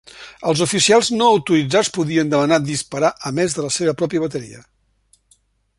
Els oficials no autoritzats podien demanar disparar a més de la seva pròpia bateria.